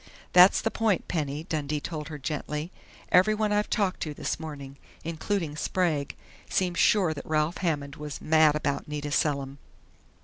"That's the point, Penny," Dundee told her gently. "Everyone I've talked to this morning, including Sprague, seems sure that Ralph Hammond was mad about Nita Selim."